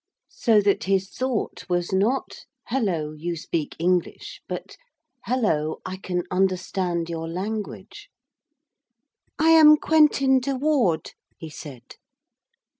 So that his thought was not, 'Hullo, you speak English!' but 'Hullo, I can understand your language.' 'I am Quentin de Ward,' he said.